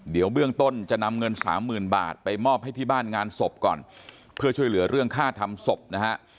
เดี๋ยวเบื้องต้นจะนำเงินสามหมื่นบาทไปมอบให้ที่บ้านงานศพก่อนเพื่อช่วยเหลือเรื่องค่าทำศพนะฮะ